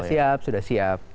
sudah siap sudah siap